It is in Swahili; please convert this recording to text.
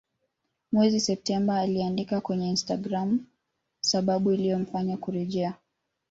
Mwezi Septemba aliandika kwenye Instagram sababu iliyomfanya kurejea